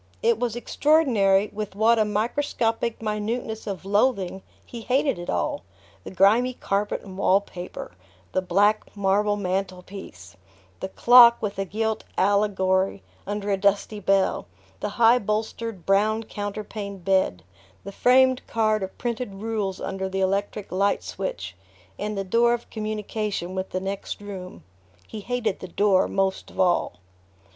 It was extraordinary with what a microscopic minuteness of loathing he hated it all: the grimy carpet and wallpaper, the black marble mantel piece, the clock with a gilt allegory under a dusty bell, the high bolstered brown counterpaned bed, the framed card of printed rules under the electric light switch, and the door of communication with the next room. He hated the door most of all...